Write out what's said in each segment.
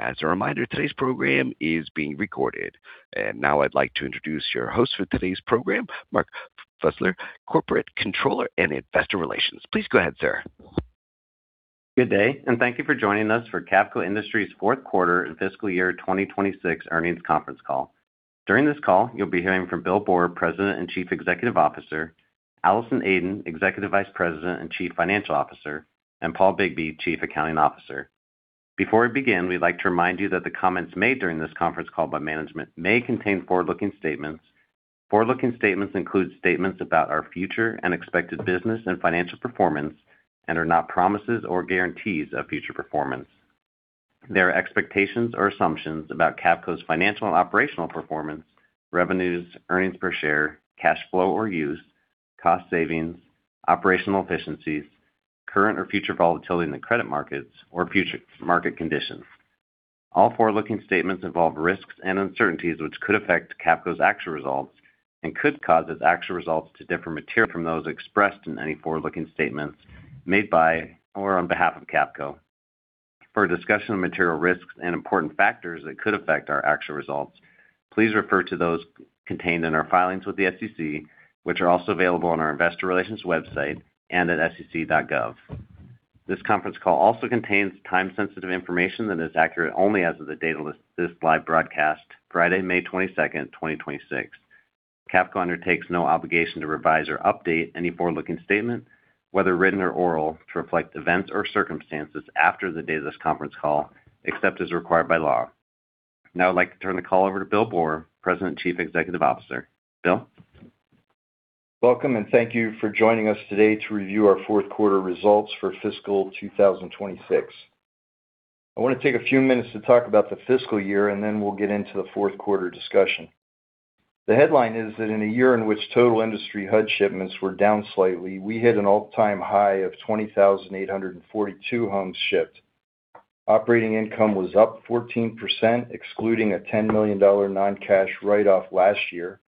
As a reminder, today's program is being recorded. Now I'd like to introduce your host for today's program, Mark Fusler, Corporate Controller and Investor Relations. Please go ahead, sir. Good day, and thank you for joining us for Cavco Industries' fourth quarter and fiscal year 2026 earnings conference call. During this call, you'll be hearing from Bill Boor, President and Chief Executive Officer, Allison Aden, Executive Vice President and Chief Financial Officer, and Paul Bigbee, Chief Accounting Officer. Before we begin, we'd like to remind you that the comments made during this conference call by management may contain forward-looking statements. Forward-looking statements include statements about our future and expected business and financial performance and are not promises or guarantees of future performance. They are expectations or assumptions about Cavco's financial and operational performance, revenues, earnings per share, cash flow or use, cost savings, operational efficiencies, current or future volatility in the credit markets or future market conditions. All forward-looking statements involve risks and uncertainties which could affect Cavco's actual results and could cause its actual results to differ materially from those expressed in any forward-looking statements made by or on behalf of Cavco. For a discussion of material risks and important factors that could affect our actual results, please refer to those contained in our filings with the SEC, which are also available on our investor relations website and at sec.gov. This conference call also contains time-sensitive information that is accurate only as of the date of this live broadcast, Friday, May 22nd, 2026. Cavco undertakes no obligation to revise or update any forward-looking statement, whether written or oral, to reflect events or circumstances after the date of this conference call, except as required by law. Now I'd like to turn the call over to Bill Boor, President, Chief Executive Officer. Bill? Welcome, and thank you for joining us today to review our fourth quarter results for fiscal 2026. I want to take a few minutes to talk about the fiscal year, and then we'll get into the fourth quarter discussion. The headline is that in a year in which total industry HUD shipments were down slightly, we hit an all-time high of 20,842 homes shipped. Operating income was up 14%, excluding a $10 million non-cash write-off last year.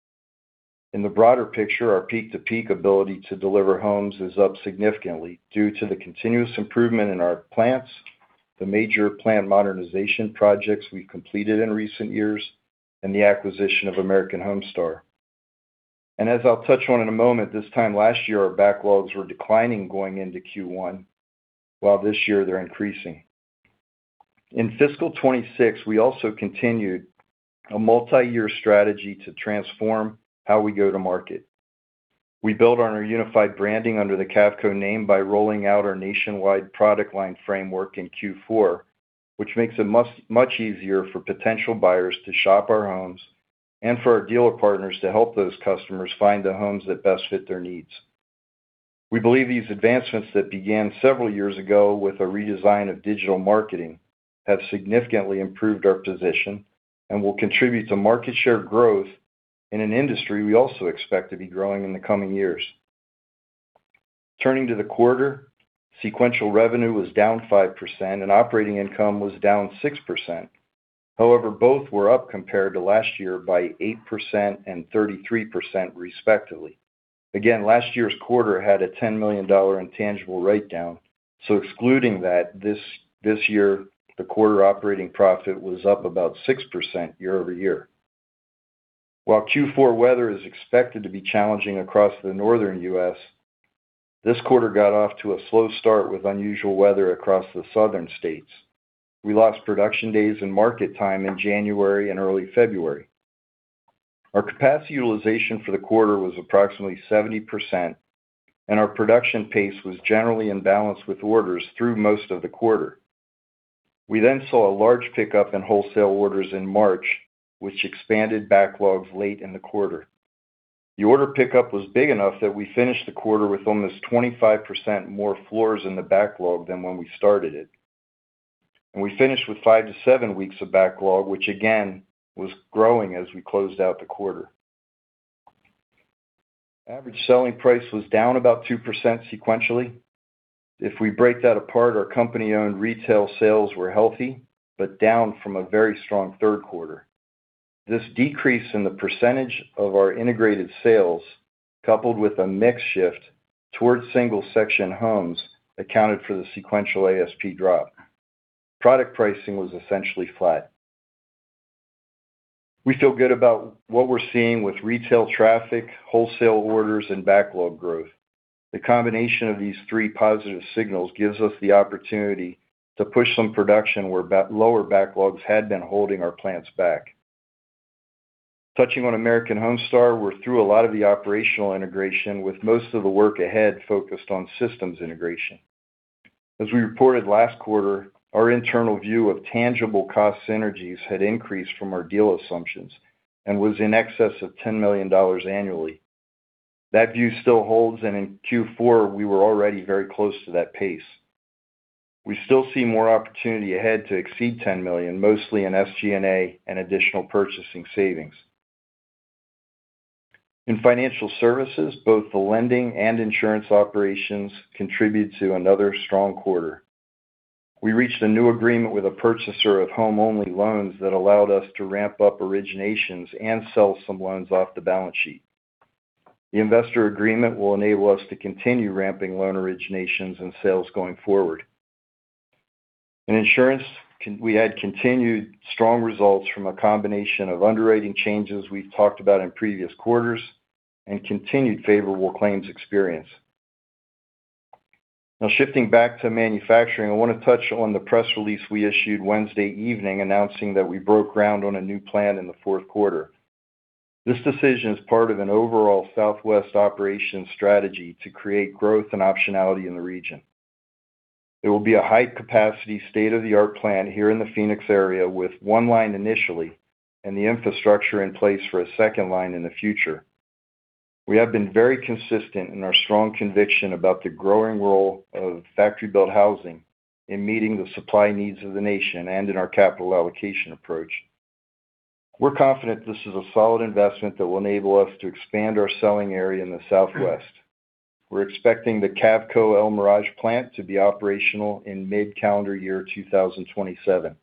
In the broader picture, our peak-to-peak ability to deliver homes is up significantly due to the continuous improvement in our plants. The major plant modernization projects we've completed in recent years, and the acquisition of American Homestar. As I'll touch on in a moment, this time last year, our backlogs were declining going into Q1, while this year they're increasing. In fiscal 2026, we also continued a multi-year strategy to transform how we go to market. We build on our unified branding under the Cavco name by rolling out our nationwide product line framework in Q4, which makes it much easier for potential buyers to shop our homes and for our dealer partners to help those customers find the homes that best fit their needs. We believe these advancements that began several years ago with a redesign of digital marketing have significantly improved our position and will contribute to market share growth in an industry we also expect to be growing in the coming years. Turning to the quarter, sequential revenue was down 5% and operating income was down 6%. However, both were up compared to last year by 8% and 33% respectively. Again, last year's quarter had a $10 million intangible write-down. Excluding that, this year, the quarter operating profit was up about 6% year-over-year. While Q4 weather is expected to be challenging across the northern U.S., this quarter got off to a slow start with unusual weather across the southern states. We lost production days and market time in January and early February. Our capacity utilization for the quarter was approximately 70%, and our production pace was generally in balance with orders through most of the quarter. We then saw a large pickup in wholesale orders in March, which expanded backlogs late in the quarter. The order pickup was big enough that we finished the quarter with almost 25% more floors in the backlog than when we started it. We finished with five to seven weeks of backlog, which again, was growing as we closed out the quarter. Average selling price was down about 2% sequentially. If we break that apart, our company-owned retail sales were healthy but down from a very strong third quarter. This decrease in the percentage of our integrated sales, coupled with a mix shift towards single-section homes, accounted for the sequential ASP drop. Product pricing was essentially flat. We feel good about what we're seeing with retail traffic, wholesale orders, and backlog growth. The combination of these three positive signals gives us the opportunity to push some production where lower backlogs had been holding our plants back. Touching on American Homestar, we're through a lot of the operational integration, with most of the work ahead focused on systems integration. As we reported last quarter, our internal view of tangible cost synergies had increased from our deal assumptions and was in excess of $10 million annually. That view still holds, and in Q4, we were already very close to that pace. We still see more opportunity ahead to exceed $10 million, mostly in SG&A and additional purchasing savings. In financial services, both the lending and insurance operations contributed to another strong quarter. We reached a new agreement with a purchaser of home-only loans that allowed us to ramp up originations and sell some loans off the balance sheet. The investor agreement will enable us to continue ramping loan originations and sales going forward. In insurance, we had continued strong results from a combination of underwriting changes we've talked about in previous quarters and continued favorable claims experience. Shifting back to manufacturing, I want to touch on the press release we issued Wednesday evening announcing that we broke ground on a new plant in the fourth quarter. This decision is part of an overall Southwest operations strategy to create growth and optionality in the region. It will be a high-capacity, state-of-the-art plant here in the Phoenix area with one line initially and the infrastructure in place for a second line in the future. We have been very consistent in our strong conviction about the growing role of factory-built housing in meeting the supply needs of the nation and in our capital allocation approach. We're confident this is a solid investment that will enable us to expand our selling area in the Southwest. We're expecting the Cavco El Mirage plant to be operational in mid-calendar year 2027.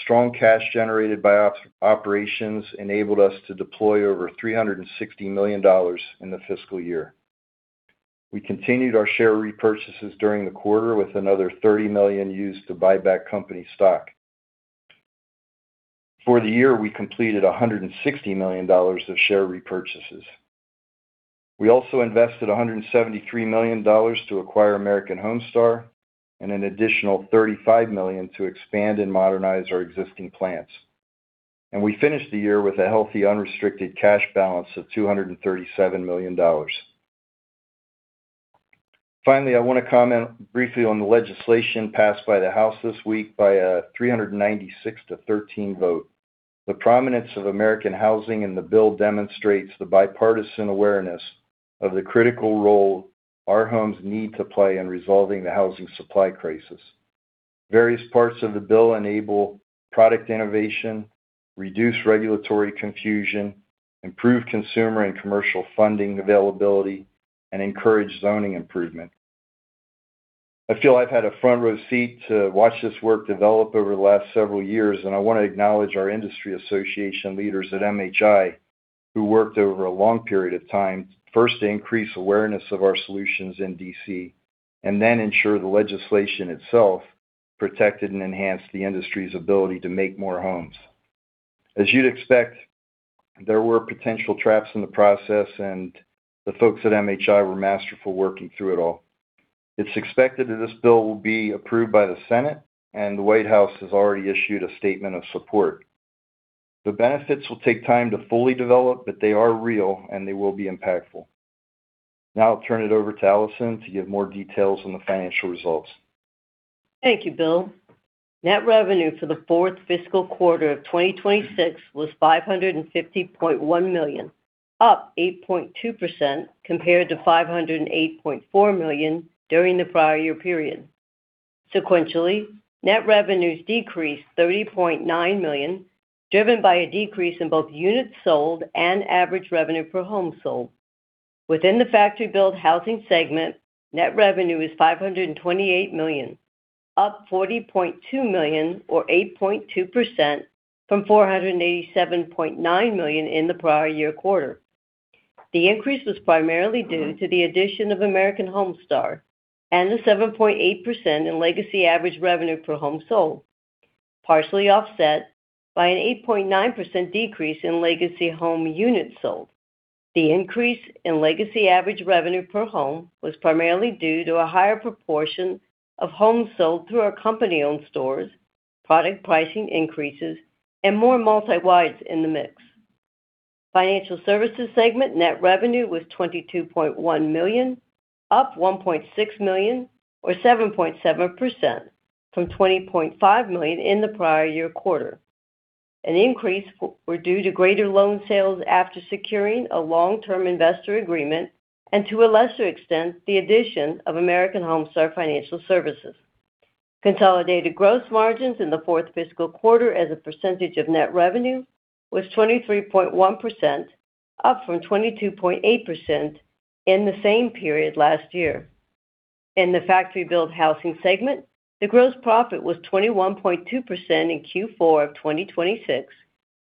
Strong cash generated by operations enabled us to deploy over $360 million in the fiscal year. We continued our share repurchases during the quarter with another $30 million used to buy back company stock. For the year, we completed $160 million of share repurchases. We also invested $173 million to acquire American Homestar and an additional $35 million to expand and modernize our existing plants. We finished the year with a healthy unrestricted cash balance of $237 million. Finally, I want to comment briefly on the legislation passed by the House this week by a 396 to 13 vote. The prominence of American housing in the bill demonstrates the bipartisan awareness of the critical role our homes need to play in resolving the housing supply crisis. Various parts of the bill enable product innovation, reduce regulatory confusion, improve consumer and commercial funding availability, and encourage zoning improvement. I feel I've had a front-row seat to watch this work develop over the last several years. I want to acknowledge our industry association leaders at MHI, who worked over a long period of time, first to increase awareness of our solutions in D.C., then ensure the legislation itself protected and enhanced the industry's ability to make more homes. As you'd expect, there were potential traps in the process. The folks at MHI were masterful working through it all. It's expected that this bill will be approved by the Senate. The White House has already issued a statement of support. The benefits will take time to fully develop, they are real, and they will be impactful. Now I'll turn it over to Allison to give more details on the financial results. Thank you, Bill. Net revenue for the fourth fiscal quarter of 2026 was $550.1 million, up 8.2% compared to $508.4 million during the prior year period. Sequentially, net revenues decreased $30.9 million, driven by a decrease in both units sold and average revenue per home sold. Within the factory-built housing segment, net revenue was $528 million, up $40.2 million or 8.2% from $487.9 million in the prior year quarter. The increase was primarily due to the addition of American Homestar and the 7.8% in legacy average revenue per home sold, partially offset by an 8.9% decrease in legacy home units sold. The increase in legacy average revenue per home was primarily due to a higher proportion of homes sold through our company-owned stores, product pricing increases, and more multi-wides in the mix. Financial services segment net revenue was $22.1 million, up $1.6 million or 7.7% from $20.5 million in the prior year quarter. An increase was due to greater loan sales after securing a long-term investor agreement and, to a lesser extent, the addition of American Homestar Financial Services. Consolidated gross margins in the fourth fiscal quarter as a percentage of net revenue was 23.1%, up from 22.8% in the same period last year. In the factory-built housing segment, the gross profit was 21.2% in Q4 of 2026,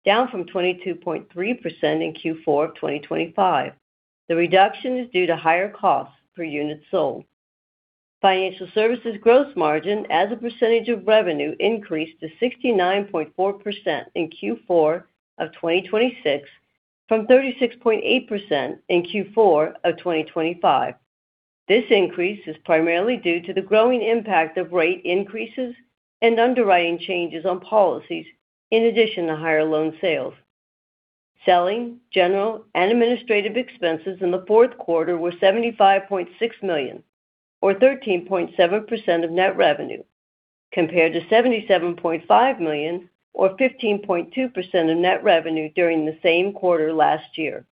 down from 22.3% in Q4 of 2025. The reduction is due to higher costs per unit sold. Financial services gross margin as a percentage of revenue increased to 69.4% in Q4 of 2026 from 36.8% in Q4 of 2025. This increase is primarily due to the growing impact of rate increases and underwriting changes on policies in addition to higher loan sales. Selling, general, and administrative expenses in the fourth quarter were $75.6 million, or 13.7% of net revenue, compared to $77.5 million, or 15.2% of net revenue during the same quarter last year.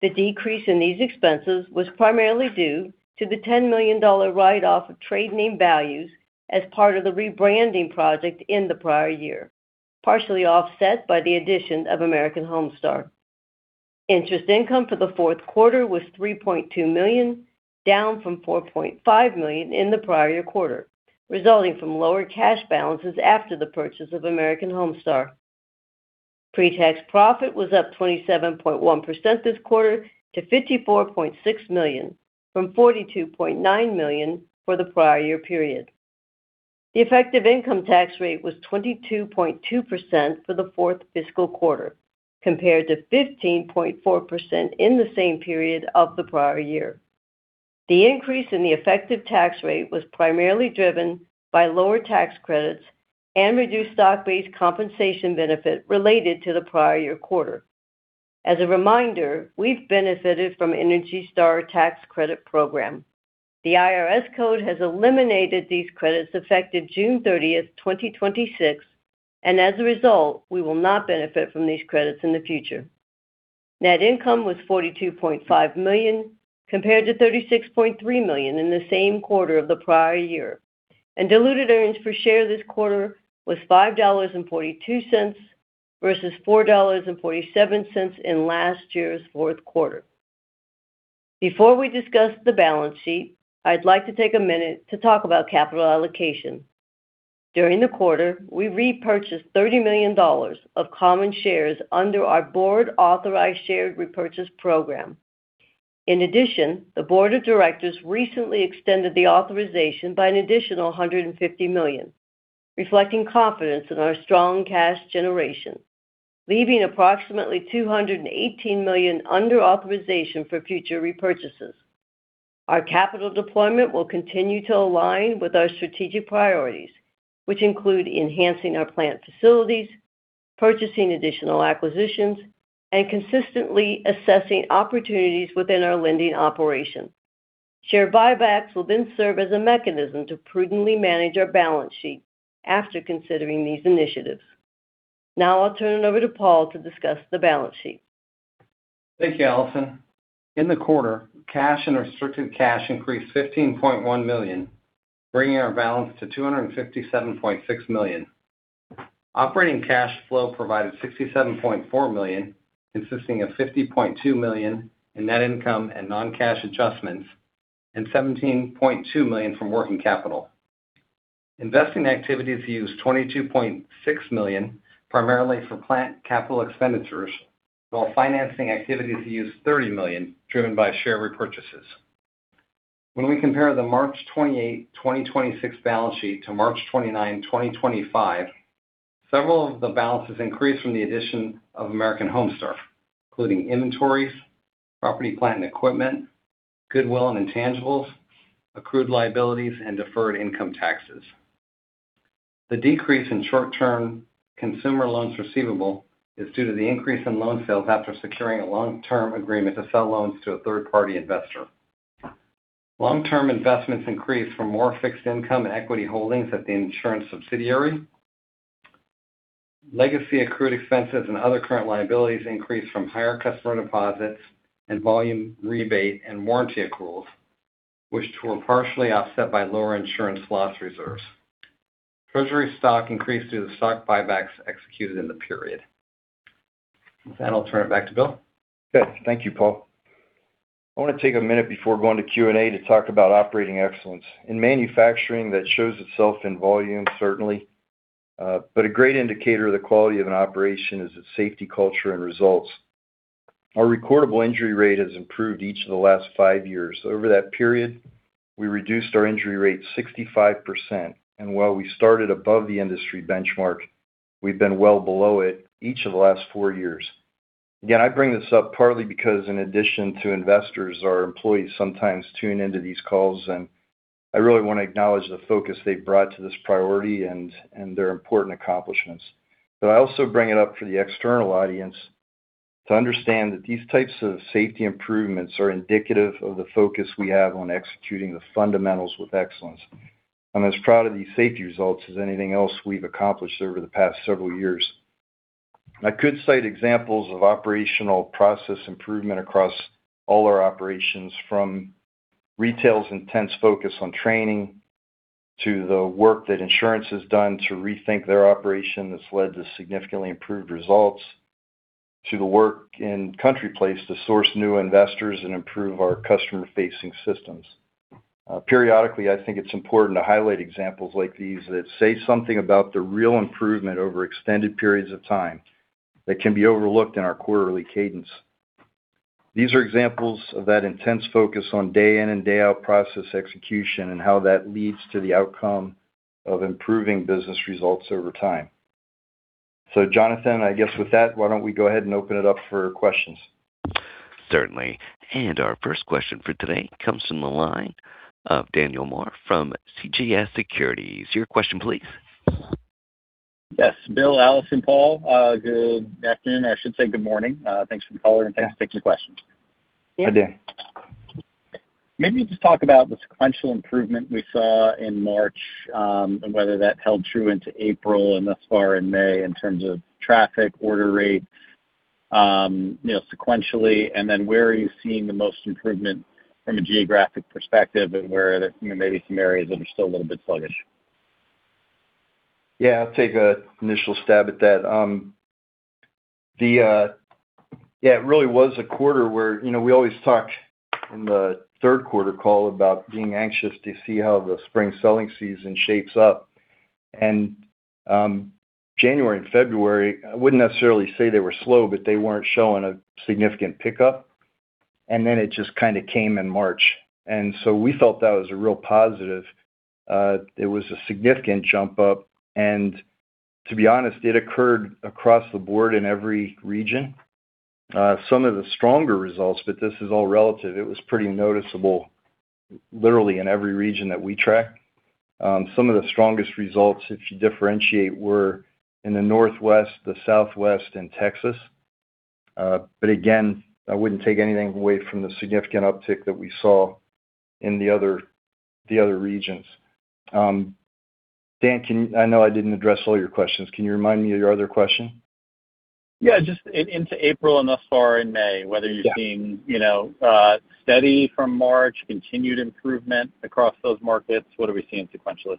The decrease in these expenses was primarily due to the $10 million write-off of trade name values as part of the rebranding project in the prior year, partially offset by the addition of American Homestar. Interest income for the fourth quarter was $3.2 million, down from $4.5 million in the prior quarter, resulting from lower cash balances after the purchase of American Homestar. Pre-tax profit was up 27.1% this quarter to $54.6 million from $42.9 million for the prior period. The effective income tax rate was 22.2% for the fourth fiscal quarter, compared to 15.4% in the same period of the prior year. The increase in the effective tax rate was primarily driven by lower tax credits and reduced stock-based compensation benefit related to the prior year quarter. As a reminder, we've benefited from ENERGY STAR tax credit program. The IRS code has eliminated these credits effective June 30th, 2026, and as a result, we will not benefit from these credits in the future. Net income was $42.5 million, compared to $36.3 million in the same quarter of the prior year, and diluted earnings per share this quarter was $5.42 versus $4.47 in last year's fourth quarter. Before we discuss the balance sheet, I'd like to take a minute to talk about capital allocation. During the quarter, we repurchased $30 million of common shares under our board-authorized share repurchase program. In addition, the board of directors recently extended the authorization by an additional $150 million, reflecting confidence in our strong cash generation, leaving approximately $218 million under authorization for future repurchases. Our capital deployment will continue to align with our strategic priorities, which include enhancing our plant facilities, purchasing additional acquisitions, and consistently assessing opportunities within our lending operation. Share buybacks will serve as a mechanism to prudently manage our balance sheet after considering these initiatives. Now I'll turn it over to Paul to discuss the balance sheet. Thank you, Allison. In the quarter, cash and restricted cash increased $15.1 million, bringing our balance to $257.6 million. Operating cash flow provided $67.4 million, consisting of $50.2 million in net income and non-cash adjustments and $17.2 million from working capital. Investing activities used $22.6 million, primarily for plant capital expenditures, while financing activities used $30 million, driven by share repurchases. When we compare the March 28th, 2026 balance sheet to March 29th, 2025, several of the balances increased from the addition of American Homestar, including inventories, property, plant, and equipment, goodwill and intangibles, accrued liabilities, and deferred income taxes. The decrease in short-term consumer loans receivable is due to the increase in loan sales after securing a long-term agreement to sell loans to a third-party investor. Long-term investments increased from more fixed income and equity holdings at the insurance subsidiary. Legacy accrued expenses and other current liabilities increased from higher customer deposits and volume rebate and warranty accruals, which were partially offset by lower insurance loss reserves. Treasury stock increased through the stock buybacks executed in the period. With that, I'll turn it back to Bill. Good. Thank you, Paul. I want to take a minute before going to Q&A to talk about operating excellence. In manufacturing, that shows itself in volume, certainly. A great indicator of the quality of an operation is its safety culture and results. Our recordable injury rate has improved each of the last five years. Over that period, we reduced our injury rate 65%, and while we started above the industry benchmark, we've been well below it each of the last four years. Again, I bring this up partly because, in addition to investors, our employees sometimes tune into these calls, and I really want to acknowledge the focus they've brought to this priority and their important accomplishments. I also bring it up for the external audience to understand that these types of safety improvements are indicative of the focus we have on executing the fundamentals with excellence. I'm as proud of these safety results as anything else we've accomplished over the past several years. I could cite examples of operational process improvement across all our operations, from retail's intense focus on training to the work that insurance has done to rethink their operation that's led to significantly improved results to the work in CountryPlace to source new investors and improve our customer-facing systems. Periodically, I think it's important to highlight examples like these that say something about the real improvement over extended periods of time that can be overlooked in our quarterly cadence. These are examples of that intense focus on day in and day out process execution and how that leads to the outcome of improving business results over time. Jonathan, I guess with that, why don't we go ahead and open it up for questions? Certainly. Our first question for today comes from the line of Daniel Moore from CJS Securities. Your question please. Yes. Bill, Allison, Paul, good afternoon. I should say good morning. Thanks for the color and thanks for taking the questions. Yeah. Hi, Dan. Maybe just talk about the sequential improvement we saw in March, whether that held true into April and thus far in May in terms of traffic, order rate, sequentially, where are you seeing the most improvement from a geographic perspective and where there may be some areas that are still a little bit sluggish? Yeah, I'll take an initial stab at that. It really was a quarter where we always talked in the third quarter call about being anxious to see how the spring selling season shapes up. January and February, I wouldn't necessarily say they were slow, but they weren't showing a significant pickup, and then it just kind of came in March. We felt that was a real positive. It was a significant jump up. To be honest, it occurred across the board in every region. Some of the stronger results, but this is all relative. It was pretty noticeable literally in every region that we track. Some of the strongest results, if you differentiate, were in the Northwest, the Southwest, and Texas. Again, I wouldn't take anything away from the significant uptick that we saw in the other regions. Dan, I know I didn't address all your questions. Can you remind me of your other question? Yeah, just into April and thus far in May, whether you're seeing steady from March, continued improvement across those markets, what are we seeing sequentially?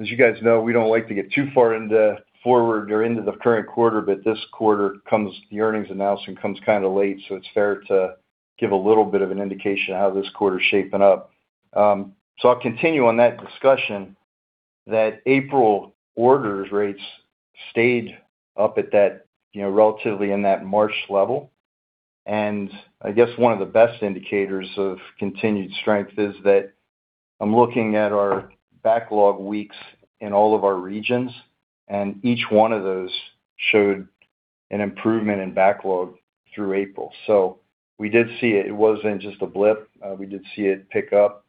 As you guys know, we don't like to get too far into forward or into the current quarter, but this quarter, the earnings announcement comes kind of late, so it's fair to give a little bit of an indication of how this quarter's shaping up. I'll continue on that discussion that April orders rates stayed up at that, relatively in that March level. I guess one of the best indicators of continued strength is that I'm looking at our backlog weeks in all of our regions, and each one of those showed an improvement in backlog through April. We did see it. It wasn't just a blip. We did see it pick up.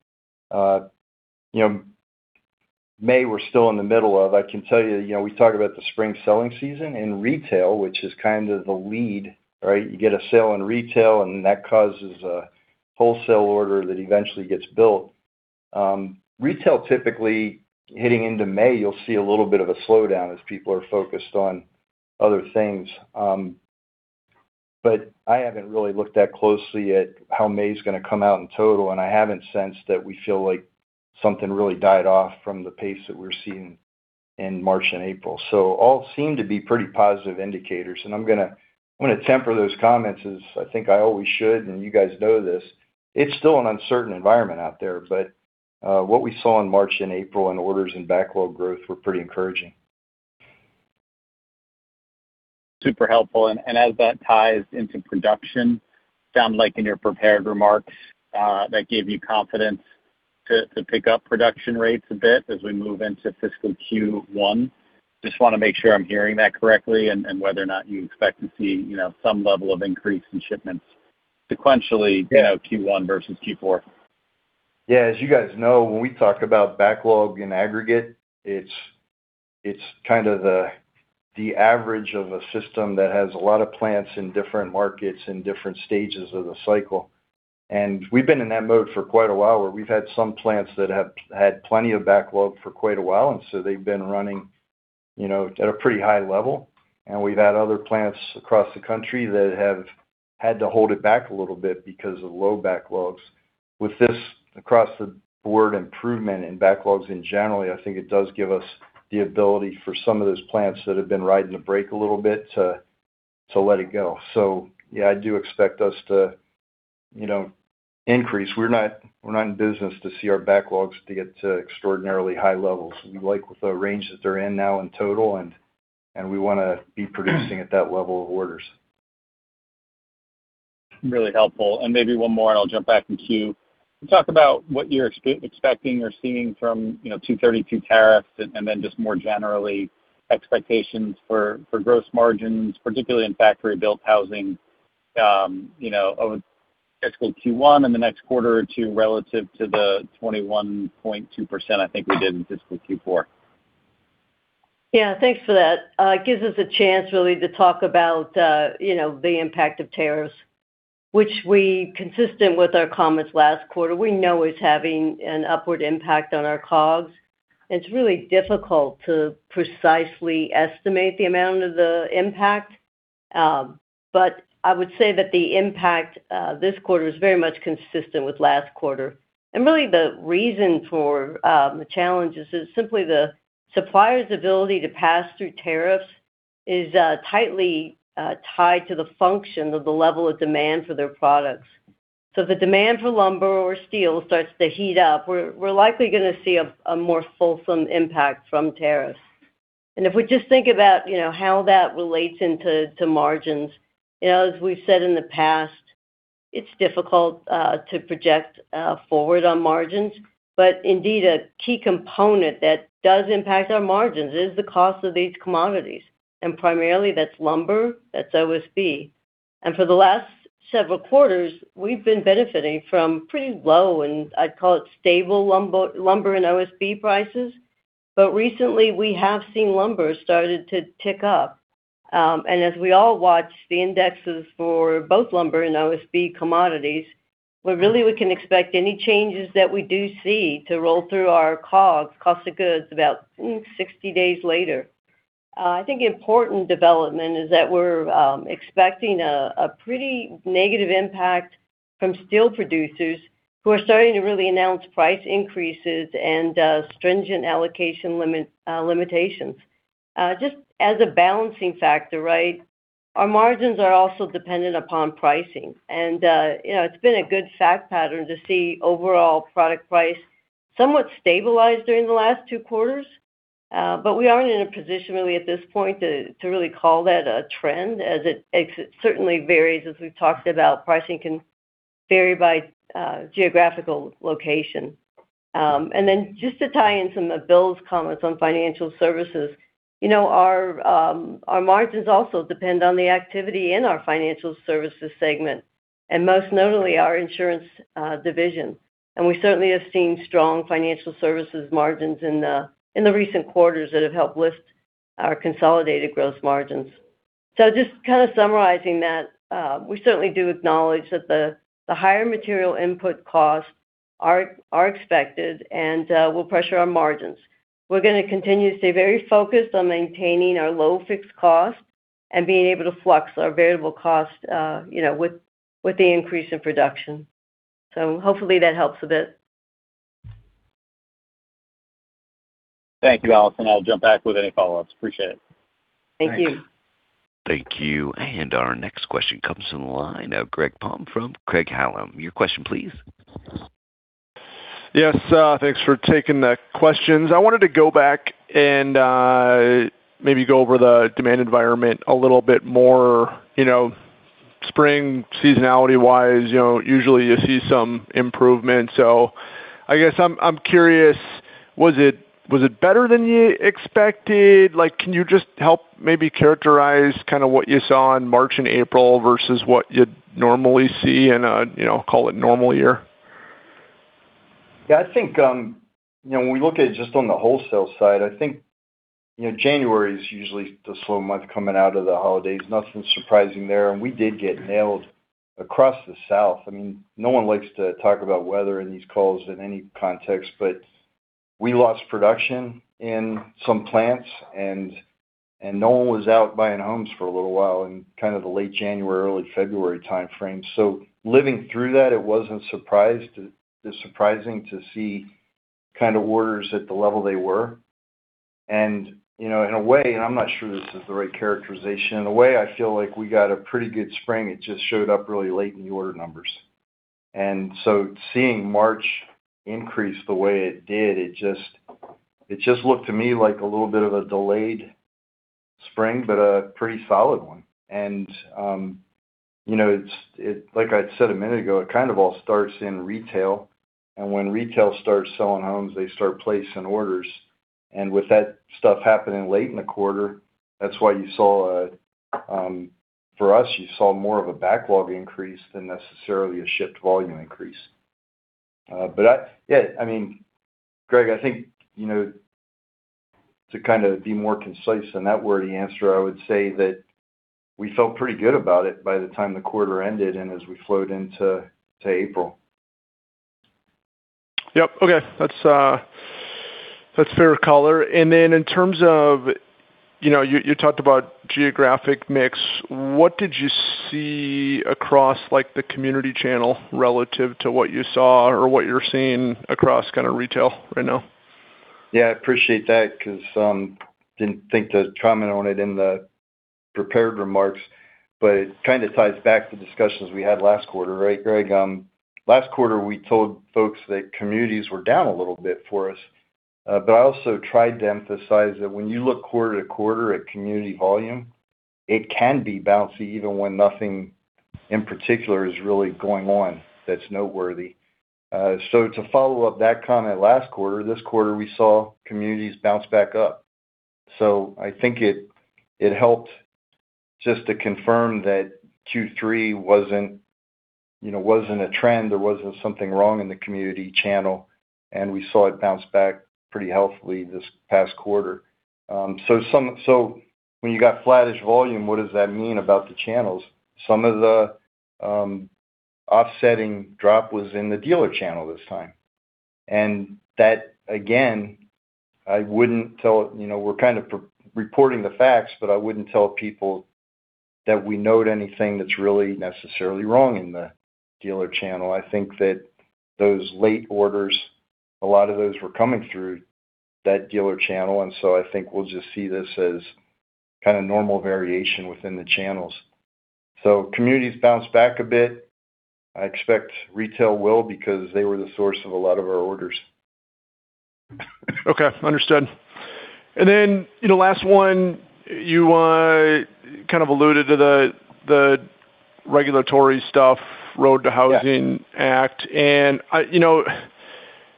May, we're still in the middle of. I can tell you, we talk about the spring selling season in retail, which is kind of the lead, right? You get a sale in retail, and that causes a wholesale order that eventually gets built. Retail typically hitting into May, you'll see a little bit of a slowdown as people are focused on other things. I haven't really looked that closely at how May's going to come out in total, and I haven't sensed that we feel like something really died off from the pace that we're seeing in March and April. All seem to be pretty positive indicators. I'm going to temper those comments as I think I always should, and you guys know this. It's still an uncertain environment out there, but what we saw in March and April in orders and backlog growth were pretty encouraging. Super helpful. As that ties into production, sounded like in your prepared remarks, that gave you confidence to pick up production rates a bit as we move into fiscal Q1. I just want to make sure I'm hearing that correctly and whether or not you expect to see some level of increase in shipments sequentially? Yeah. Q1 versus Q4. Yeah. As you guys know, when we talk about backlog in aggregate, it's kind of the average of a system that has a lot of plants in different markets in different stages of the cycle. We've been in that mode for quite a while, where we've had some plants that have had plenty of backlog for quite a while, and so they've been running at a pretty high level. We've had other plants across the country that have had to hold it back a little bit because of low backlogs. With this across-the-board improvement in backlogs in general, I think it does give us the ability for some of those plants that have been riding the brake a little bit to let it go. Yeah, I do expect us to increase. We're not in business to see our backlogs to get to extraordinarily high levels. We like the range that they're in now in total, and we want to be producing at that level of orders. Really helpful. Maybe one more, and I'll jump back in queue. Can you talk about what you're expecting or seeing from 232 tariffs, and then just more generally, expectations for gross margins, particularly in factory-built housing over fiscal Q1 and the next quarter or two relative to the 21.2% I think we did in fiscal Q4? Yeah. Thanks for that. Gives us a chance really to talk about the impact of tariffs, which we, consistent with our comments last quarter, we know is having an upward impact on our COGS. It's really difficult to precisely estimate the amount of the impact. I would say that the impact this quarter is very much consistent with last quarter. Really the reason for the challenges is simply the supplier's ability to pass through tariffs is tightly tied to the function of the level of demand for their products. If the demand for lumber or steel starts to heat up, we're likely going to see a more fulsome impact from tariffs. If we just think about how that relates into margins, as we've said in the past, it's difficult to project forward on margins. Indeed, a key component that does impact our margins is the cost of these commodities. Primarily, that's lumber, that's OSB. For the last several quarters, we've been benefiting from pretty low, and I'd call it stable lumber and OSB prices. Recently, we have seen lumber started to tick up. As we all watch the indexes for both lumber and OSB commodities, where really we can expect any changes that we do see to roll through our COGS, cost of goods, about 60 days later. I think the important development is that we're expecting a pretty negative impact from steel producers who are starting to really announce price increases and stringent allocation limitations. Just as a balancing factor, right? Our margins are also dependent upon pricing. It's been a good fact pattern to see overall product price somewhat stabilized during the last two quarters. We aren't in a position really at this point to really call that a trend as it certainly varies, as we've talked about, pricing can vary by geographical location. Just to tie in some of Bill's comments on Financial Services. Our margins also depend on the activity in our Financial Services segment and most notably our insurance division. We certainly have seen strong Financial Services margins in the recent quarters that have helped lift our consolidated gross margins. Just kind of summarizing that, we certainly do acknowledge that the higher material input costs are expected and will pressure our margins. We're going to continue to stay very focused on maintaining our low fixed cost and being able to flex our variable cost with the increase in production. Hopefully that helps a bit. Thank you, Allison. I'll jump back with any follow-ups. Appreciate it. Thank you. Thank you. Our next question comes from the line of Greg Palm from Craig-Hallum. Your question, please. Yes. Thanks for taking the questions. I wanted to go back and maybe go over the demand environment a little bit more spring seasonality-wise. Usually you see some improvement. I guess I'm curious, was it better than you expected? Can you just help maybe characterize what you saw in March and April versus what you'd normally see in a call it a normal year? Yeah, I think, when we look at it just on the wholesale side, I think January is usually the slow month coming out of the holidays. Nothing surprising there. We did get nailed across the South. No one likes to talk about weather in these calls in any context, but we lost production in some plants, and no one was out buying homes for a little while in kind of the late January, early February timeframe. Living through that, it wasn't surprising to see orders at the level they were. In a way, and I'm not sure this is the right characterization. In a way, I feel like we got a pretty good spring. It just showed up really late in the order numbers. Seeing March increase the way it did, it just looked to me like a little bit of a delayed spring, but a pretty solid one. Like I said a minute ago, it kind of all starts in retail, and when retail starts selling homes, they start placing orders. With that stuff happening late in the quarter, that's why for us, you saw more of a backlog increase than necessarily a shipped volume increase. Greg, I think to kind of be more concise than that wordy answer, I would say that we felt pretty good about it by the time the quarter ended and as we flowed into April. Yep. Okay. That's fair color. You talked about geographic mix. What did you see across the community channel relative to what you saw or what you're seeing across retail right now? I appreciate that because I didn't think to comment on it in the prepared remarks, it kind of ties back to discussions we had last quarter, right, Greg? Last quarter, we told folks that communities were down a little bit for us. I also tried to emphasize that when you look quarter-to-quarter at community volume, it can be bouncy even when nothing in particular is really going on that's noteworthy. To follow up that comment last quarter, this quarter we saw communities bounce back up. I think it helped just to confirm that Q3 wasn't a trend. There wasn't something wrong in the community channel, we saw it bounce back pretty healthily this past quarter. When you got flattish volume, what does that mean about the channels? Some of the offsetting drop was in the dealer channel this time. That, again, we're kind of reporting the facts, but I wouldn't tell people that we note anything that's really necessarily wrong in the dealer channel. I think that those late orders, a lot of those were coming through that dealer channel. I think we'll just see this as kind of normal variation within the channels. Communities bounced back a bit. I expect retail will because they were the source of a lot of our orders. Okay. Understood. Last one, you kind of alluded to the regulatory stuff, ROAD to Housing Act. Yeah.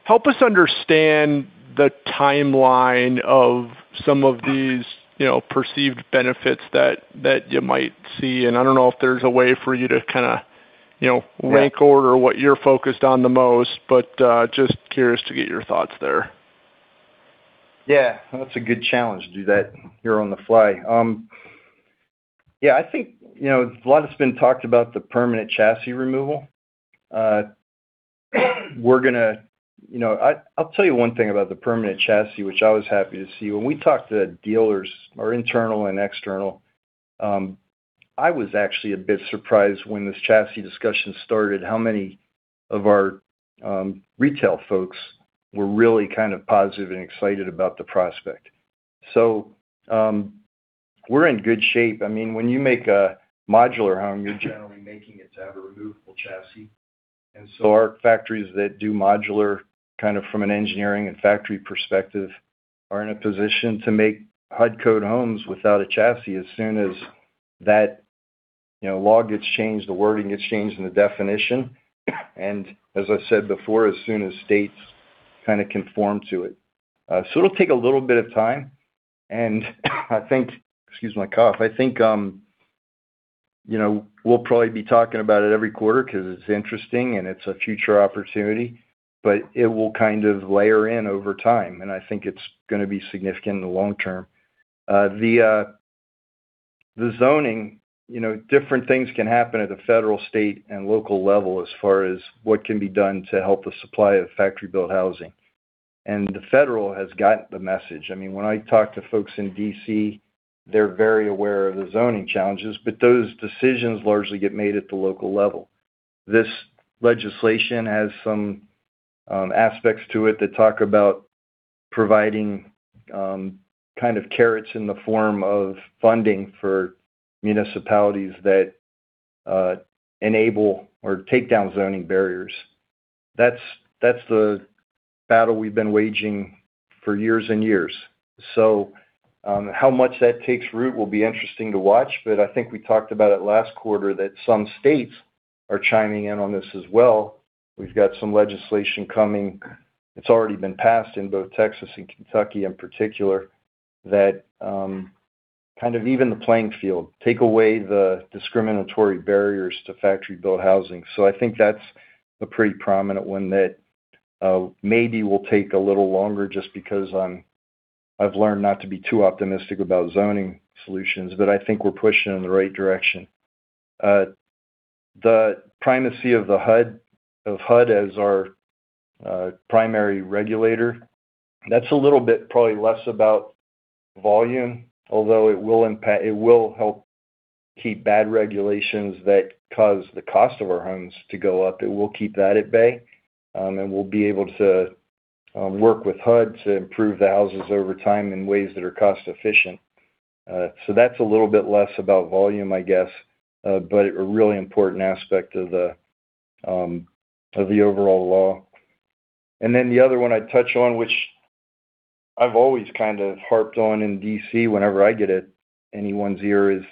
Help us understand the timeline of some of these perceived benefits that you might see, and I don't know if there's a way for you to kind of rank order what you're focused on the most, but just curious to get your thoughts there. That's a good challenge to do that here on the fly. I think a lot has been talked about the permanent chassis removal. I'll tell you one thing about the permanent chassis, which I was happy to see. When we talked to dealers, our internal and external, I was actually a bit surprised when this chassis discussion started, how many of our retail folks were really kind of positive and excited about the prospect. We're in good shape. When you make a modular home, you're generally making it to have a removable chassis. Our factories that do modular kind of from an engineering and factory perspective are in a position to make HUD code homes without a chassis as soon as that law gets changed, the wording gets changed and the definition, and as I said before, as soon as states kind of conform to it. It'll take a little bit of time, and excuse my cough. I think we'll probably be talking about it every quarter because it's interesting and it's a future opportunity, but it will kind of layer in over time, and I think it's going to be significant in the long term. The zoning, different things can happen at the federal, state, and local level as far as what can be done to help the supply of factory-built housing. The federal has gotten the message. When I talk to folks in D.C., they're very aware of the zoning challenges, but those decisions largely get made at the local level. This legislation has some aspects to it that talk about providing kind of carrots in the form of funding for municipalities that enable or take down zoning barriers. That's the battle we've been waging for years and years. How much that takes root will be interesting to watch. I think we talked about it last quarter that some states are chiming in on this as well. We've got some legislation coming. It's already been passed in both Texas and Kentucky in particular, that kind of even the playing field, take away the discriminatory barriers to factory-built housing. I think that's a pretty prominent one that maybe will take a little longer just because I've learned not to be too optimistic about zoning solutions. I think we're pushing in the right direction. The primacy of HUD as our primary regulator, that's a little bit probably less about volume, although it will help keep bad regulations that cause the cost of our homes to go up. It will keep that at bay, and we'll be able to work with HUD to improve the houses over time in ways that are cost-efficient. That's a little bit less about volume, I guess, but a really important aspect of the overall law. The other one I'd touch on, which I've always kind of harped on in D.C. whenever I get at anyone's ear, is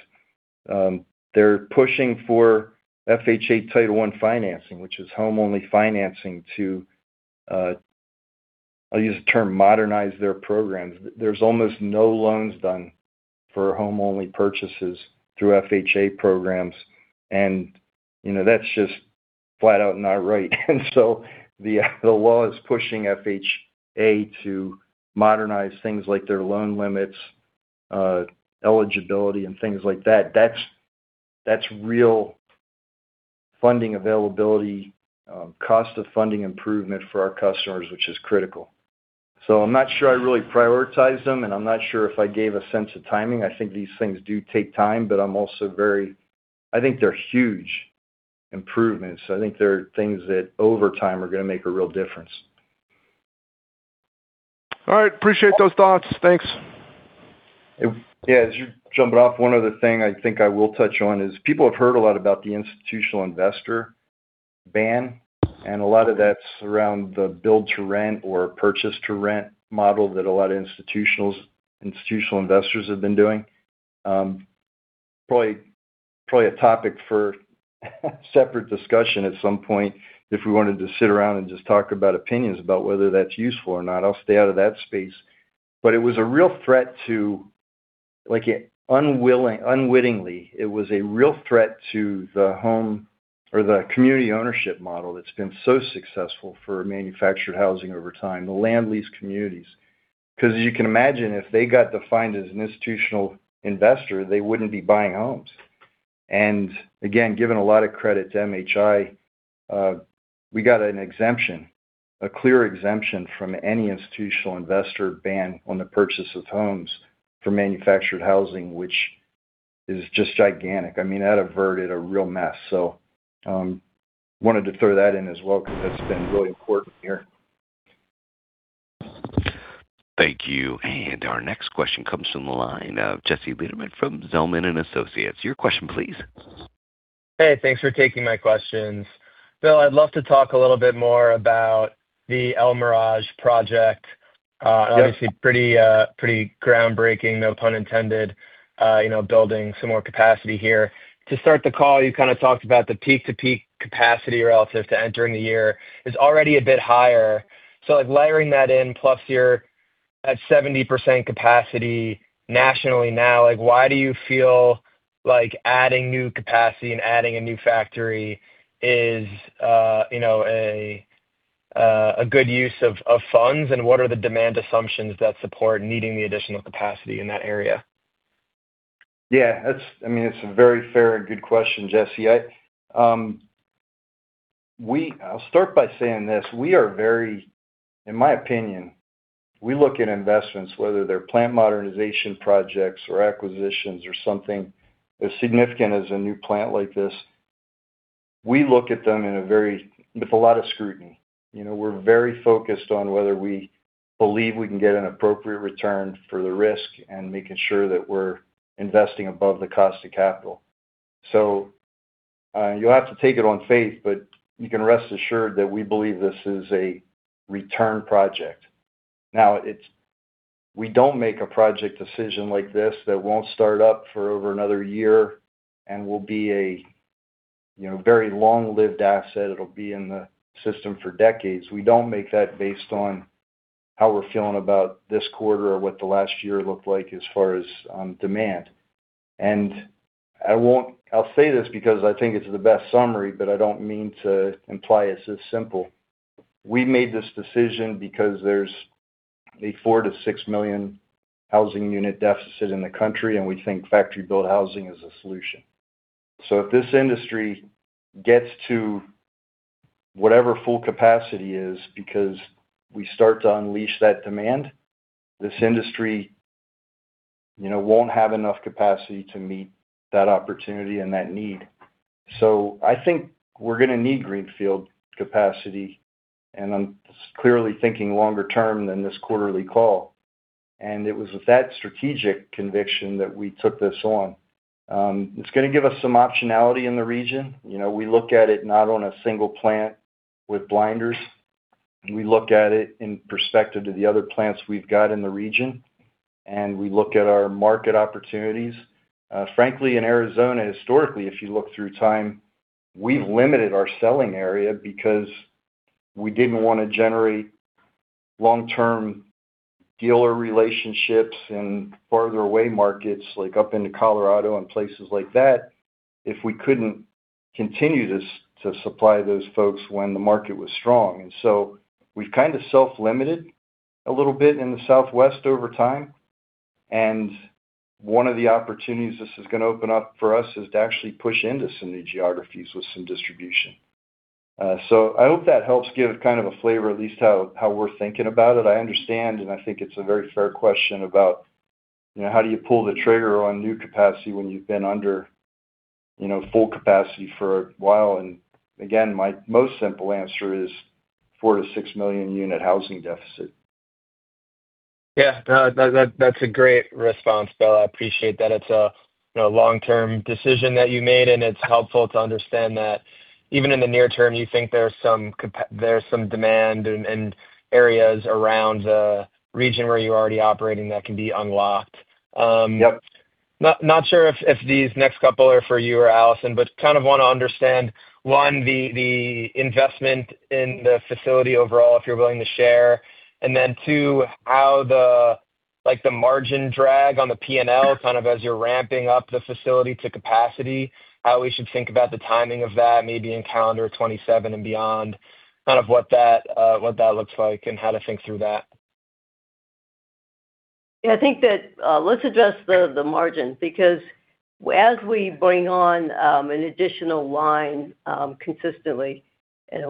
they're pushing for FHA Title I financing, which is home-only financing to, I'll use the term modernize their programs. There's almost no loans done for home-only purchases through FHA programs, and that's just flat out not right. The law is pushing FHA to modernize things like their loan limits, eligibility, and things like that. That's real funding availability, cost of funding improvement for our customers, which is critical. I'm not sure I really prioritized them, and I'm not sure if I gave a sense of timing. I think these things do take time, but I'm also very, I think they're huge improvements. I think they're things that over time are going to make a real difference. All right. Appreciate those thoughts. Thanks. As you're jumping off, one other thing I think I will touch on is people have heard a lot about the institutional investor ban, and a lot of that's around the build-to-rent or purchase-to-rent model that a lot of institutional investors have been doing. Probably a topic for separate discussion at some point if we wanted to sit around and just talk about opinions about whether that's useful or not. I'll stay out of that space. It was a real threat to, unwittingly, it was a real threat to the home or the community ownership model that's been so successful for manufactured housing over time, the land lease communities. As you can imagine, if they got defined as an institutional investor, they wouldn't be buying homes. Again, giving a lot of credit to MHI, we got an exemption, a clear exemption from any institutional investor ban on the purchase of homes for manufactured housing, which is just gigantic. That averted a real mess. We wanted to throw that in as well because that's been really important here. Thank you. Our next question comes from the line of Jesse Lederman from Zelman & Associates. Your question, please. Hey, thanks for taking my questions. Bill, I'd love to talk a little bit more about the El Mirage project. Yeah. Obviously pretty groundbreaking, no pun intended, building some more capacity here. To start the call, you kind of talked about the peak-to-peak capacity relative to entering the year is already a bit higher. Like layering that in, plus you're at 70% capacity nationally now. Why do you feel like adding new capacity and adding a new factory is a good use of funds, and what are the demand assumptions that support needing the additional capacity in that area? Yeah. It's a very fair and good question, Jesse. I'll start by saying this, in my opinion, we look at investments, whether they're plant modernization projects or acquisitions or something as significant as a new plant like this. We look at them with a lot of scrutiny. We're very focused on whether we believe we can get an appropriate return for the risk and making sure that we're investing above the cost of capital. You'll have to take it on faith, but you can rest assured that we believe this is a return project. We don't make a project decision like this that won't start up for over another year and will be a very long-lived asset. It'll be in the system for decades. We don't make that based on how we're feeling about this quarter or what the last year looked like as far as demand. I'll say this because I think it's the best summary, but I don't mean to imply it's this simple. We made this decision because there's a $4 million-$6 million housing unit deficit in the country, and we think factory-built housing is a solution. If this industry gets to whatever full capacity is because we start to unleash that demand, this industry won't have enough capacity to meet that opportunity and that need. I think we're going to need greenfield capacity, and I'm clearly thinking longer term than this quarterly call. It was with that strategic conviction that we took this on. It's going to give us some optionality in the region. We look at it not on a single plant with blinders. We look at it in perspective to the other plants we've got in the region, and we look at our market opportunities. Frankly, in Arizona, historically, if you look through time, we've limited our selling area because we didn't want to generate long-term dealer relationships in farther away markets, like up into Colorado and places like that, if we couldn't continue to supply those folks when the market was strong. We've kind of self-limited a little bit in the Southwest over time. One of the opportunities this is going to open up for us is to actually push into some new geographies with some distribution. I hope that helps give kind of a flavor at least how we're thinking about it. I understand, and I think it's a very fair question about how do you pull the trigger on new capacity when you've been under full capacity for a while. Again, my most simple answer is 4 million-6 million unit housing deficit. Yeah. That's a great response, Bill. I appreciate that. It's a long-term decision that you made, and it's helpful to understand that even in the near term, you think there's some demand in areas around the region where you're already operating that can be unlocked. Yep. Not sure if these next couple are for you or Allison, but kind of want to understand, one, the investment in the facility overall, if you're willing to share. Two, how the margin drag on the P&L kind of as you're ramping up the facility to capacity, how we should think about the timing of that, maybe in calendar 2027 and beyond, kind of what that looks like and how to think through that. Yeah. Let's address the margin because as we bring on an additional one line consistently,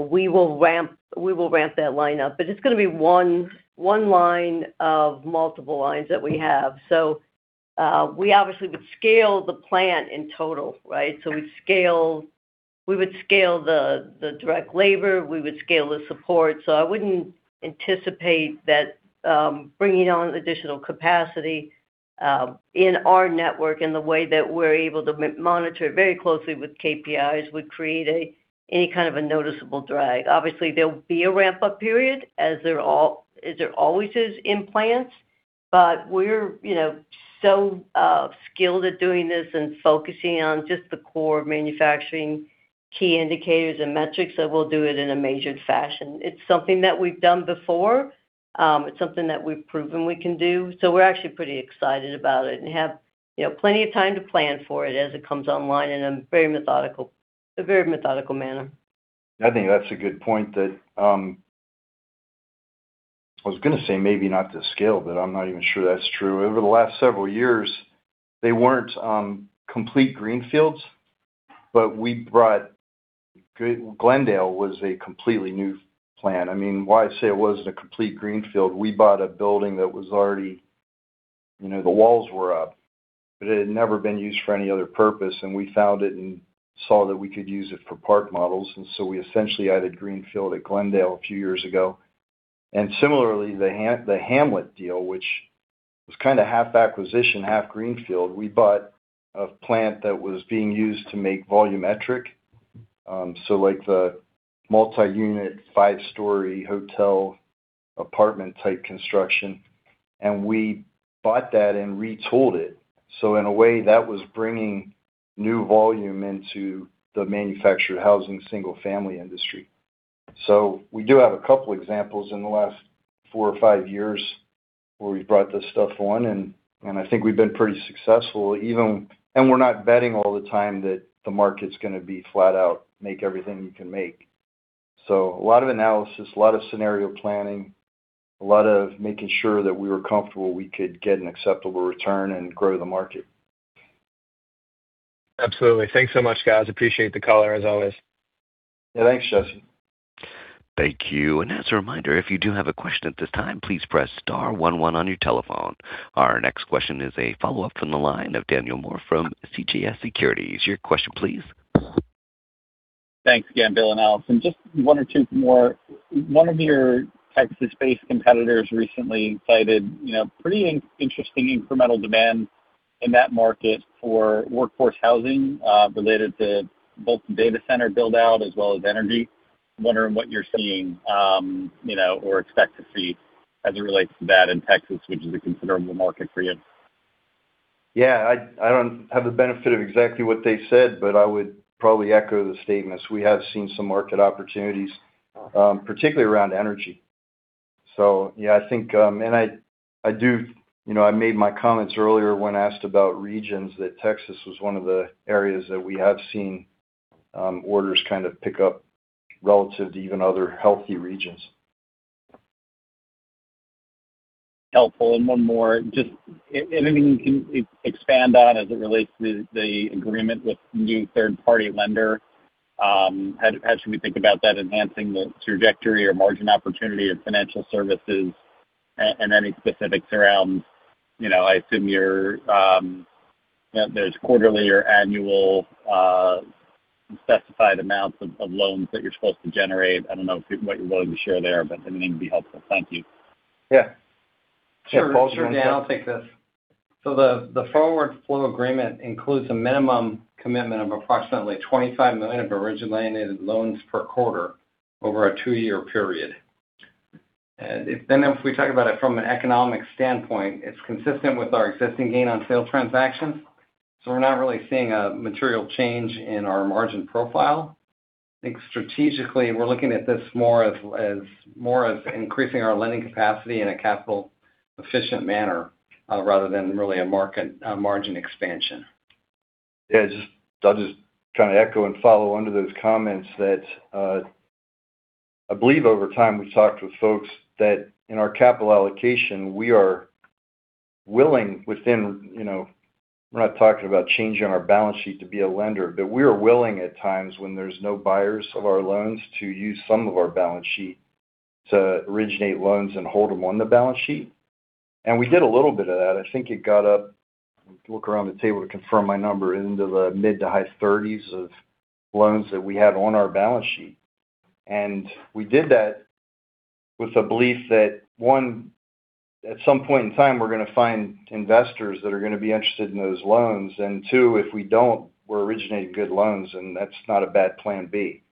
we will ramp that line up. It's going to be one line of multiple lines that we have. We obviously would scale the plant in total, right? We would scale the direct labor, we would scale the support. I wouldn't anticipate that bringing on additional capacity in our network in the way that we're able to monitor it very closely with KPIs would create any kind of a noticeable drag. Obviously, there'll be a ramp-up period, as there always is in plants. We're so skilled at doing this and focusing on just the core manufacturing key indicators and metrics that we'll do it in a measured fashion. It's something that we've done before. It's something that we've proven we can do. We're actually pretty excited about it and have plenty of time to plan for it as it comes online in a very methodical manner. I think that's a good point. I was going to say maybe not to scale, but I'm not even sure that's true. Over the last several years, they weren't complete greenfields, but Glendale was a completely new plant. Why I say it wasn't a complete greenfield, we bought a building that the walls were up, but it had never been used for any other purpose, and we found it and saw that we could use it for park models. We essentially added greenfield at Glendale a few years ago. Similarly, the Hamlet deal, which was kind of half acquisition, half greenfield, we bought a plant that was being used to make volumetric. Like the multi-unit, five-story hotel apartment type construction. We bought that and retooled it. In a way, that was bringing new volume into the manufactured housing single-family industry. We do have a couple examples in the last four or five years, where we've brought this stuff on, and I think we've been pretty successful. We're not betting all the time that the market's going to be flat out, make everything you can make. A lot of analysis, a lot of scenario planning, a lot of making sure that we were comfortable we could get an acceptable return and grow the market. Absolutely. Thanks so much, guys. Appreciate the call here, as always. Yeah. Thanks, Jesse. Thank you. As a reminder, if you do have a question at this time, please press star one one on your telephone. Our next question is a follow-up from the line of Daniel Moore from CJS Securities. Your question, please. Thanks again, Bill and Allison. Just one or two more. One of your Texas-based competitors recently cited pretty interesting incremental demand in that market for workforce housing, related to both the data center build-out as well as energy. I'm wondering what you're seeing, or expect to see as it relates to that in Texas, which is a considerable market for you. Yeah. I don't have the benefit of exactly what they said, but I would probably echo the statements. We have seen some market opportunities, particularly around energy. Yeah, I made my comments earlier when asked about regions, that Texas was one of the areas that we have seen orders kind of pick up relative to even other healthy regions. Helpful. One more, just anything you can expand on as it relates to the agreement with the new third-party lender. How should we think about that enhancing the trajectory or margin opportunity of Financial Services? Any specifics around, I assume there's quarterly or annual specified amounts of loans that you're supposed to generate. I don't know what you're willing to share there, but anything would be helpful. Thank you. Yeah. Sure, Dan. I'll take this. The forward flow agreement includes a minimum commitment of approximately $25 million of originated loans per quarter over a two-year period. If we talk about it from an economic standpoint, it's consistent with our existing gain on sale transactions. We're not really seeing a material change in our margin profile. I think strategically, we're looking at this more as increasing our lending capacity in a capital efficient manner, rather than really a margin expansion. Yeah. I'll just kind of echo and follow onto those comments that, I believe over time we've talked with folks that in our capital allocation, we are willing within We're not talking about changing our balance sheet to be a lender, but we are willing at times when there's no buyers of our loans to use some of our balance sheet to originate loans and hold them on the balance sheet. We did a little bit of that. I think it got up, look around the table to confirm my number, into the mid to high 30s of loans that we have on our balance sheet. We did that with a belief that, one, at some point in time, we're going to find investors that are going to be interested in those loans. Two, if we don't, we're originating good loans, and that's not a bad plan B.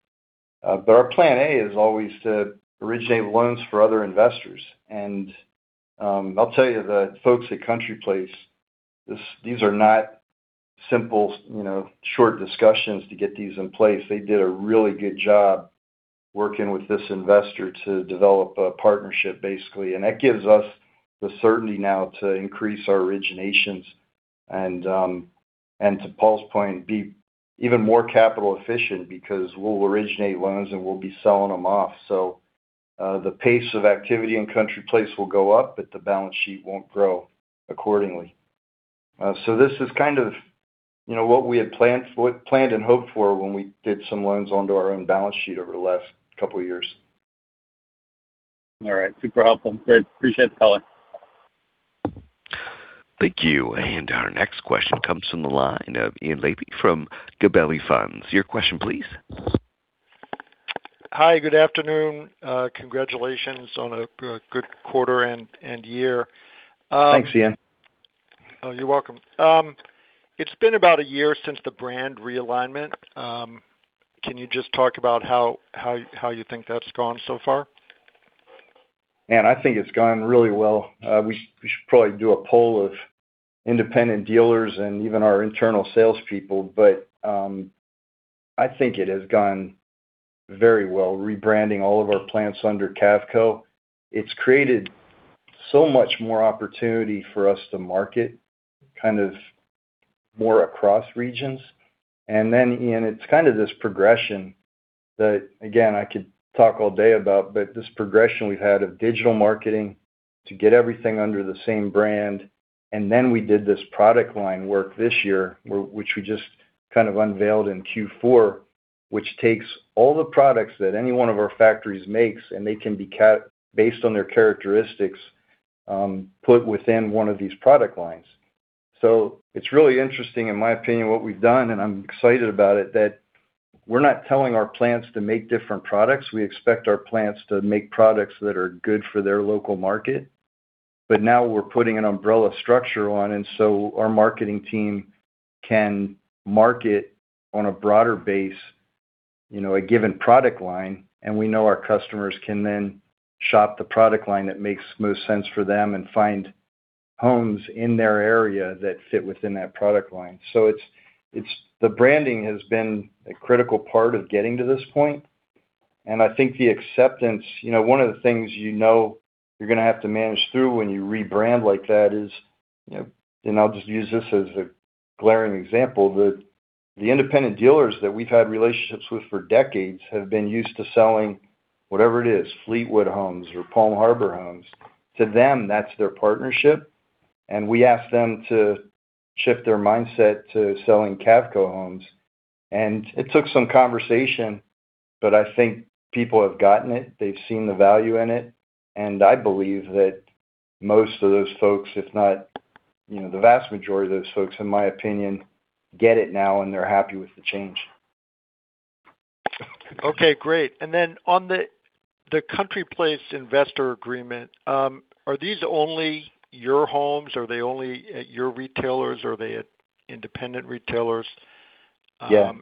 Our plan A is always to originate loans for other investors. I'll tell you, the folks at CountryPlace, these are not simple, short discussions to get these in place. They did a really good job working with this investor to develop a partnership, basically. That gives us the certainty now to increase our originations, and to Paul's point, be even more capital efficient because we'll originate loans, and we'll be selling them off. The pace of activity in CountryPlace will go up, but the balance sheet won't grow accordingly. This is kind of what we had planned and hoped for when we did some loans onto our own balance sheet over the last couple of years. All right. Super helpful. Great. Appreciate the call. Thank you. Our next question comes from the line of Ian Lapey from Gabelli Funds. Your question please. Hi, good afternoon. Congratulations on a good quarter and year. Thanks, Ian. Oh, you're welcome. It's been about a year since the brand realignment. Can you just talk about how you think that's gone so far? Man, I think it's gone really well. We should probably do a poll of independent dealers and even our internal salespeople, but, I think it has gone very well rebranding all of our plants under Cavco. It's created so much more opportunity for us to market kind of more across regions. Then, Ian, it's kind of this progression that, again, I could talk all day about, but this progression we've had of digital marketing to get everything under the same brand. Then we did this product line work this year, which we just kind of unveiled in Q4, which takes all the products that any one of our factories makes, and they can be based on their characteristics, put within one of these product lines. It's really interesting, in my opinion, what we've done, and I'm excited about it, that we're not telling our plants to make different products. We expect our plants to make products that are good for their local market. Now we're putting an umbrella structure on, and so our marketing team can market on a broader base. A given product line, and we know our customers can then shop the product line that makes most sense for them and find homes in their area that fit within that product line. The branding has been a critical part of getting to this point. I think the acceptance, one of the things you know you're going to have to manage through when you rebrand like that is, and I'll just use this as a glaring example, the independent dealers that we've had relationships with for decades have been used to selling whatever it is, Fleetwood Homes or Palm Harbor Homes. To them, that's their partnership, and we ask them to shift their mindset to selling Cavco Homes. It took some conversation, but I think people have gotten it. They've seen the value in it, and I believe that most of those folks, if not the vast majority of those folks, in my opinion, get it now, and they're happy with the change. Okay, great. On the CountryPlace investor agreement, are these only your homes? Are they only at your retailers? Are they at independent retailers? Yeah.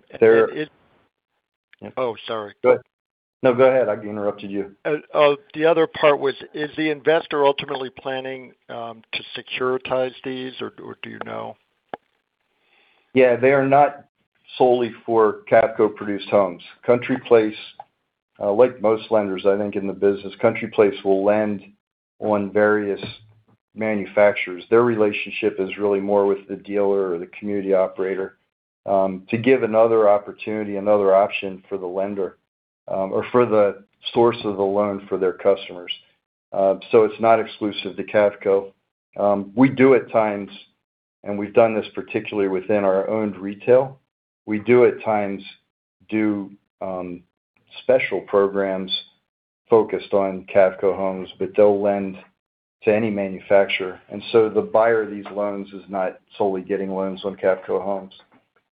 Oh, sorry. Go ahead. No, go ahead. I interrupted you. The other part was, is the investor ultimately planning to securitize these, or do you know? Yeah, they are not solely for Cavco-produced homes. CountryPlace, like most lenders, I think, in the business, CountryPlace will lend on various manufacturers. Their relationship is really more with the dealer or the community operator to give another opportunity, another option for the lender or for the source of the loan for their customers. It's not exclusive to Cavco. We do at times, and we've done this particularly within our owned retail, we do at times do special programs focused on Cavco homes, but they'll lend to any manufacturer. The buyer of these loans is not solely getting loans on Cavco homes.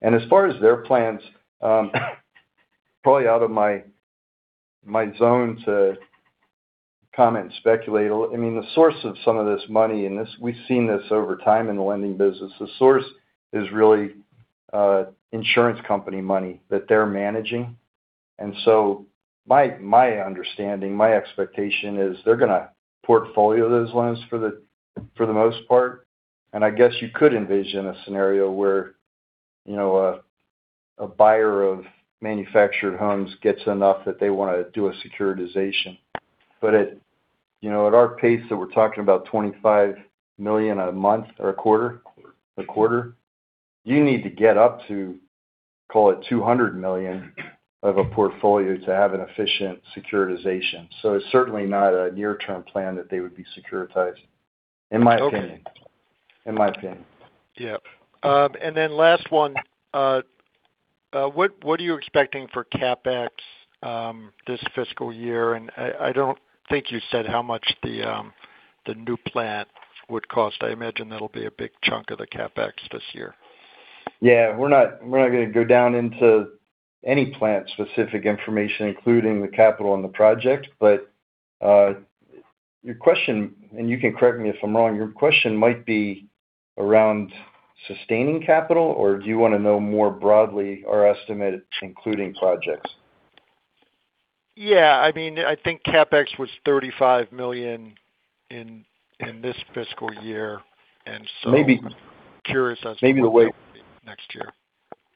As far as their plans, probably out of my zone to comment and speculate. I mean, the source of some of this money, and we've seen this over time in the lending business, the source is really insurance company money that they're managing. My understanding, my expectation is they're going to portfolio those loans for the most part. I guess you could envision a scenario where a buyer of manufactured homes gets enough that they want to do a securitization. At our pace that we're talking about, $25 million a month or a quarter? A quarter. You need to get up to, call it, $200 million of a portfolio to have an efficient securitization. It's certainly not a near-term plan that they would be securitized, in my opinion. Okay. In my opinion. Yeah. Last one. What are you expecting for CapEx this fiscal year? I don't think you said how much the new plant would cost. I imagine that'll be a big chunk of the CapEx this year. Yeah. We're not going to go down into any plant-specific information, including the capital on the project. Your question, and you can correct me if I'm wrong, your question might be around sustaining capital, or do you want to know more broadly our estimate, including projects? Yeah. I think CapEx was $35 million in this fiscal year. Maybe. I'm curious as to. Maybe the way. Next year.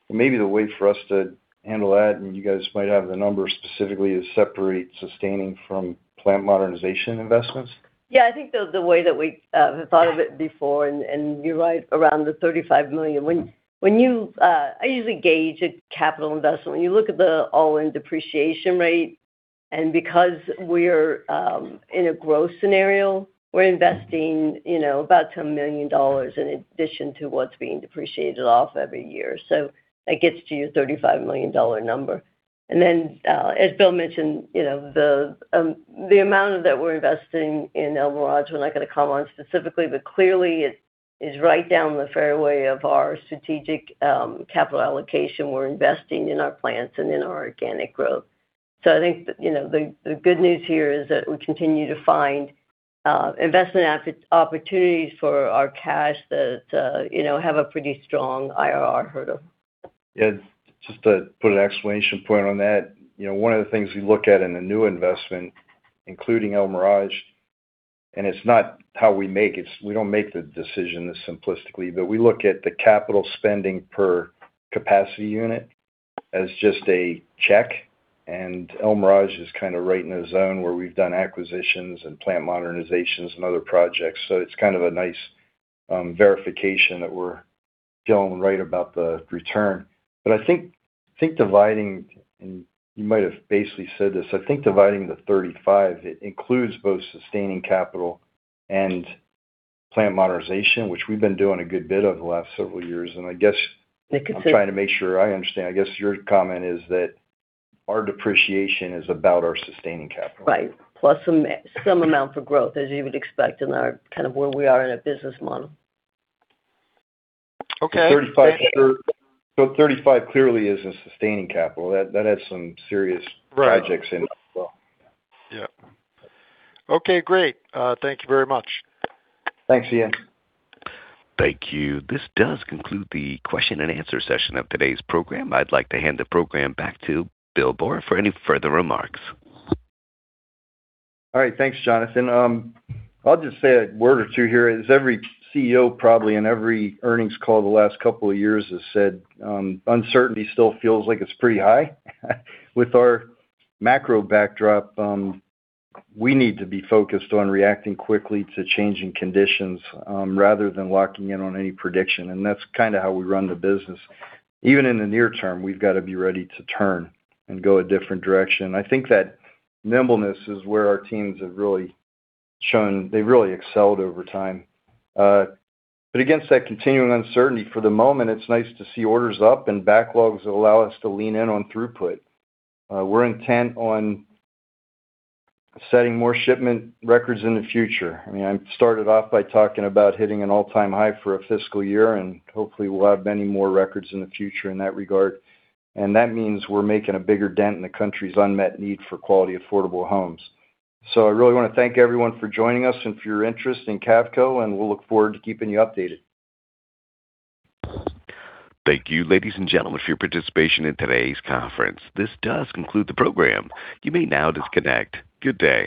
Maybe the way for us to handle that, and you guys might have the numbers specifically, is separate sustaining from plant modernization investments. Yeah, I think the way that we have thought of it before, and you're right around the $35 million. I usually gauge a capital investment when you look at the all-in depreciation rate. Because we're in a growth scenario, we're investing about $10 million in addition to what's being depreciated off every year. That gets to your $35 million number. As Bill mentioned, the amount that we're investing in El Mirage, we're not going to comment on specifically, but clearly, it is right down the fairway of our strategic capital allocation. We're investing in our plants and in our organic growth. I think the good news here is that we continue to find investment opportunities for our cash that have a pretty strong IRR hurdle. Yeah. Just to put an exclamation point on that. One of the things we look at in a new investment, including El Mirage, and it's not how we make it, we don't make the decision this simplistically, but we look at the capital spending per capacity unit as just a check. El Mirage is kind of right in the zone where we've done acquisitions and plant modernizations and other projects. It's kind of a nice verification that we're feeling right about the return. I think dividing, and you might have basically said this, I think dividing the $35, it includes both sustaining capital and plant modernization, which we've been doing a good bit of the last several years. It could. I'm trying to make sure I understand. I guess your comment is that our depreciation is about our sustaining capital. Right. Plus some amount for growth, as you would expect in our kind of where we are in our business model. Okay. $35 clearly isn't sustaining capital. Right. Projects in as well. Yeah. Okay, great. Thank you very much. Thanks, Ian. Thank you. This does conclude the question-and-answer session of today's program. I'd like to hand the program back to Bill Boor for any further remarks. All right. Thanks, Jonathan. I'll just say a word or two here. As every CEO probably in every earnings call the last couple of years has said, uncertainty still feels like it's pretty high. With our macro backdrop, we need to be focused on reacting quickly to changing conditions rather than locking in on any prediction, and that's kind of how we run the business. Even in the near term, we've got to be ready to turn and go a different direction. I think that nimbleness is where our teams have really excelled over time. Against that continuing uncertainty, for the moment, it's nice to see orders up and backlogs that allow us to lean in on throughput. We're intent on setting more shipment records in the future. I started off by talking about hitting an all-time high for a fiscal year. Hopefully we'll have many more records in the future in that regard. That means we're making a bigger dent in the country's unmet need for quality, affordable homes. I really want to thank everyone for joining us and for your interest in Cavco, and we'll look forward to keeping you updated. Thank you, ladiesf and gentlemen, for your participation in today's conference. This does conclude the program. You may now disconnect. Good day.